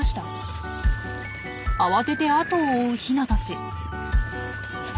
慌てて後を追うヒナたち。